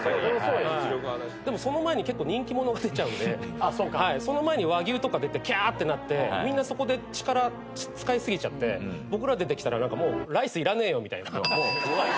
でもその前に結構人気者が出ちゃうんでその前に和牛とか出てキャってなってみんなそこで力使い過ぎちゃって僕ら出てきたらもうライスいらねえよみたいな。